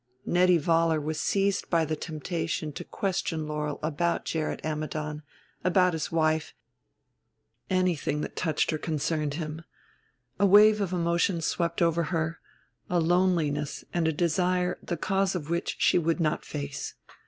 Nettie Vollar was seized by the temptation to question Laurel about Gerrit Ammidon, about his wife anything that touched or concerned him. A wave of emotion swept over her, a loneliness and a desire the cause of which she would not face.